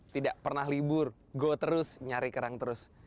tidak pernah libur go terus nyari kerang terus